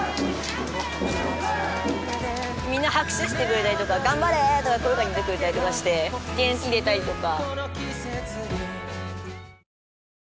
みんな拍手してくれたりとか「頑張れ！」とか声掛けてくれたりとかして元気出たりとか。